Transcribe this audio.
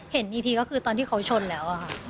เห็นอีกทีก็คือตอนที่เขาชนแล้วค่ะ